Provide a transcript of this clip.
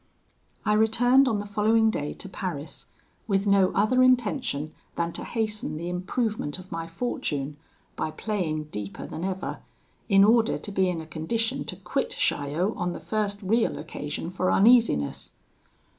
"I returned on the following day to Paris, with no other intention than to hasten the improvement of my fortune, by playing deeper than ever, in order to be in a condition to quit Chaillot on the first real occasion for uneasiness.